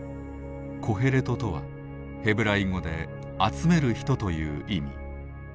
「コヘレト」とはヘブライ語で「集める人」という意味。